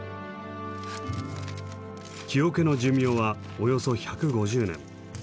木桶の寿命はおよそ１５０年。